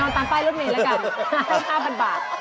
นอนตามป้ายรถเมริกาละกัน๕๐๐๐บาท